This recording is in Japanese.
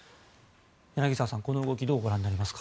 柳澤さん、この動きどうご覧になりますか。